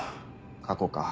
過去か？